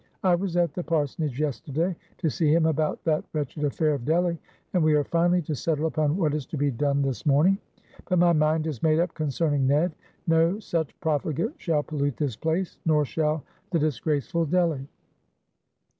I was at the parsonage yesterday, to see him about that wretched affair of Delly, and we are finally to settle upon what is to be done this morning. But my mind is made up concerning Ned; no such profligate shall pollute this place; nor shall the disgraceful Delly."